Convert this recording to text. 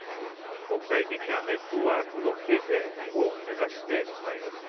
国際的なネットワークの形成を目指してまいります。